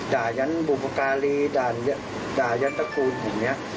ด่ายัดบุปกรรมด่ายัดตระกูล